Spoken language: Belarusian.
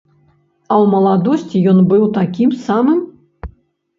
А ў маладосці ён быў такім самым?